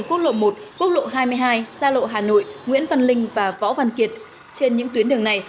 quốc lộ một quốc lộ hai mươi hai xa lộ hà nội nguyễn văn linh và võ văn kiệt trên những tuyến đường này